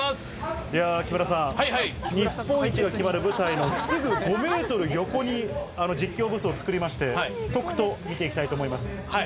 木村さん、日本一が決まる舞台のすぐ５メートル横に実況ブースを作りまして、特と見ていきたいと思います。